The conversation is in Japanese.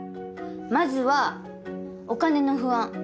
まずはお金の不安。